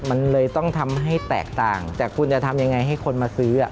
มันเลยต้องทำให้แตกต่างแต่คุณจะทำยังไงให้คนมาซื้อ